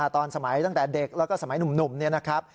ตอนสมัยตั้งแต่เด็กแล้วก็สมัยหนุ่มเนี่ยนะครับ